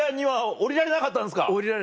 降りられなかったです。